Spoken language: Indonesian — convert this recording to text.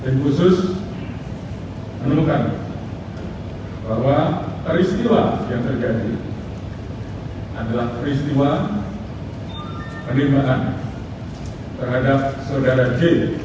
tim khusus menemukan bahwa peristiwa yang terjadi adalah peristiwa penerimaan terhadap saudara j